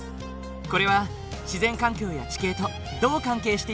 これは自然環境や地形とどう関係しているのだろう？